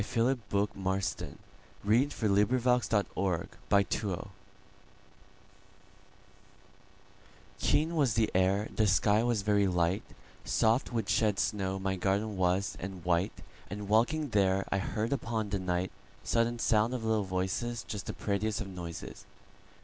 Philip Bourke Marston 1850–87 Garden Fairies KEEN was the air, the sky was very light, Soft with shed snow my garden was, and white, And, walking there, I heard upon the nightSudden sound of little voices, Just the prettiest of noises.